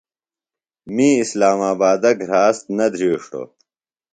می اسلام آبادہ گھراست نہ دھرِیݜٹوۡ۔